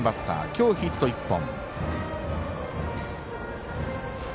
今日ヒット１本。